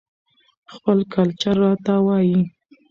خپل کلچر راته وايى